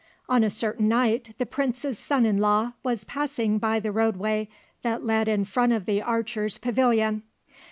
On a certain night the Prince's son in law was passing by the roadway that led in front of the archers' pavilion.